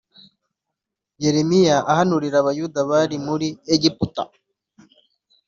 Yeremiya ahanurira Abayuda bari muri Egiputa.